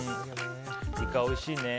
イカ、おいしいね。